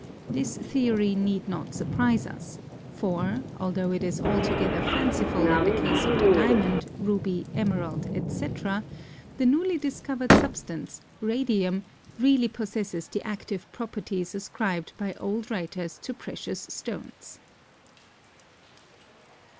This theory need not surprise us, for, although it is altogether fanciful in the case of the diamond, ruby, emerald, etc., the newly discovered substance, radium, really possesses the active properties ascribed by old writers to precious stones.